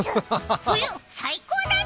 冬、最高だぜ！